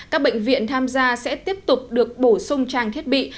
các bệnh viện tham gia sẽ tiếp tục được bổ sung trang thiết bị